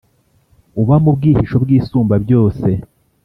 uba mu rwihisho rw’isumbabyose,